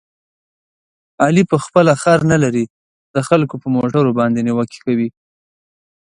علي په خپله خر نه لري، د خلکو په موټرو باندې نیوکې کوي.